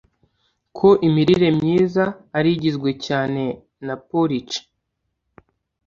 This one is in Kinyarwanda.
ko imirire myiza ari igizwe cyane na porici